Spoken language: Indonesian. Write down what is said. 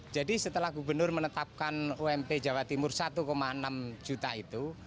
jadi setelah gubernur menetapkan ump jawa timur i